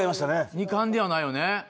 二冠ではないよね？